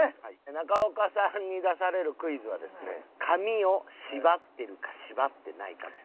中岡さんに出されるクイズはですね髪を縛ってるか縛ってないかです。